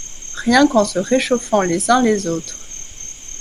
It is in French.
Rien qu'en se réchauffant les uns les autres.